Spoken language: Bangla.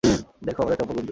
দেখো, আমাদের টপার গুঞ্জু।